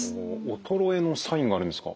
衰えのサインがあるんですか？